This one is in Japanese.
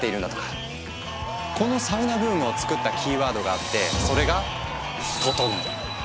このサウナブームをつくったキーワードがあってそれが「ととのう」。